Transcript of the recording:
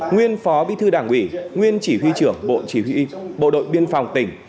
nguyên phó bí thư đảng ủy nguyên chỉ huy trưởng bộ chỉ huy bộ đội biên phòng tỉnh